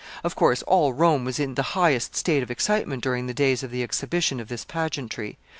Of course, all Rome was in the highest state of excitement during the days of the exhibition of this pageantry.